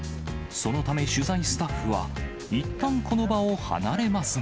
そのため取材スタッフは、いったん、この場を離れますが。